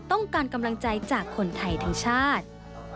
ต้องการกำลังใจจากคนไทยทั้งชาติ